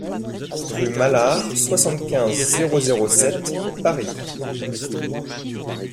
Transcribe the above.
Rue Malar, soixante-quinze, zéro zéro sept Paris